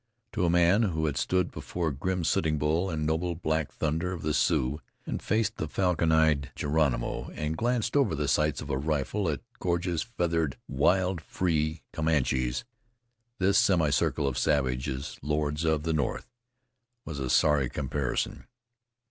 To a man who had stood before grim Sitting Bull and noble Black Thunder of the Sioux, and faced the falcon eyed Geronimo, and glanced over the sights of a rifle at gorgeous feathered, wild, free Comanches, this semi circle of savages lords of the north was a sorry comparison.